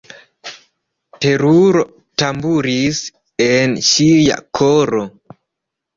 Teruro tamburis en ŝia koro.